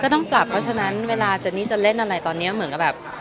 ต้องปรับเพราะฉะนั้นเวลาเจนนี่จะเล่นอะไรตอนนี้เหมือนกับแบบ